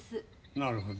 なるほど。